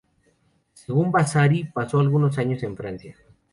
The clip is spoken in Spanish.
Según Vasari, pasó algunos años en Francia.